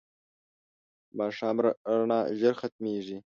د ماښام رڼا ژر ختمېږي